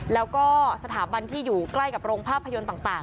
แล้วก็สถาบันที่อยู่ใกล้กับโรงภาพยนตร์ต่าง